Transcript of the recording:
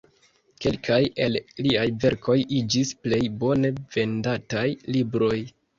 Kelkaj el liaj verkoj iĝis plej bone vendataj libroj.